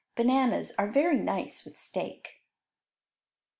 Bananas are very nice with steak.